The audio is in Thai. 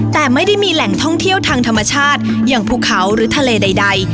แต่ไม่ได้มีแหล่งท่องเที่ยวทางธรรมชาติอย่างภูเขาหรือทะเลใด